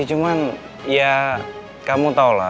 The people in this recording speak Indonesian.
cuman ya kamu tau lah